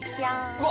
うわ！